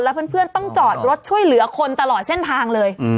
เพื่อนต้องจอดรถช่วยเหลือคนตลอดเส้นทางเลย